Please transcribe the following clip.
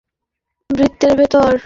তোমাকে বৃত্তের ভেতর আসতে হবে!